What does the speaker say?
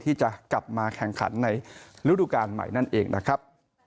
ที่จะกลับมาแข่งขันในฤดูการใหม่นั่นเองนะครับ